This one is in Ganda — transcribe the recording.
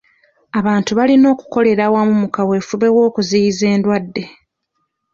Abantu balina okukolera awamu mu kaweefube w'okuziyiza endwadde.